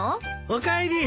おかえり。